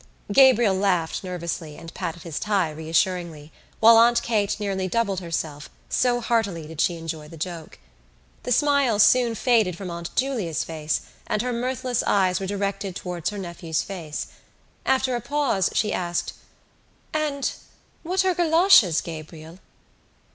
Gabriel laughed nervously and patted his tie reassuringly while Aunt Kate nearly doubled herself, so heartily did she enjoy the joke. The smile soon faded from Aunt Julia's face and her mirthless eyes were directed towards her nephew's face. After a pause she asked: "And what are goloshes, Gabriel?"